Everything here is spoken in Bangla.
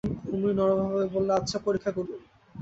ঊর্মি নম্রভাবে বললে, আচ্ছা, পরীক্ষা করুন।